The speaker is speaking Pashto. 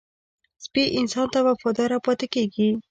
سپي انسان ته وفاداره پاتې کېږي.